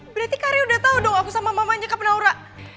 berarti kak rey udah tau dong aku sama mama nyokap naurah